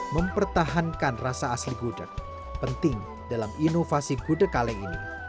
mempertahankan rasa asli gudeg penting dalam inovasi gude kaleng ini